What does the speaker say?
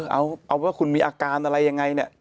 เอาว่าคุณมีอาการอะไรยังไงเนี่ย